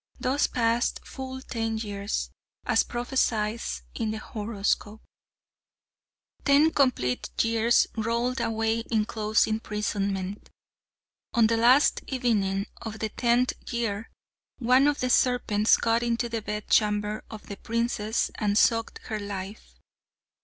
Thus passed full ten years, as prophesied in the horoscope. Ten complete years rolled away in close imprisonment. On the last evening of the tenth year one of the serpents got into the bed chamber of the princess and sucked her life.